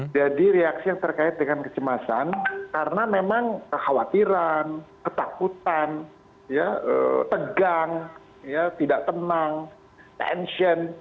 jadi reaksi yang terkait dengan kecemasan karena memang kekhawatiran ketakutan tegang tidak tenang tension